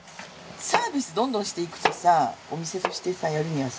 サービスどんどんしていくとさお店としてさやるにはさ